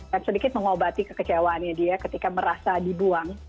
dan sedikit mengobati kekecewaannya dia ketika merasa dibuang